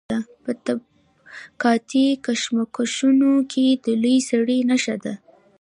په طبقاتي کشمکشونو کې د لوی سړي نښه ده.